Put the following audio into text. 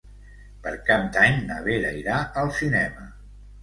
Per Cap d'Any na Vera irà al cinema.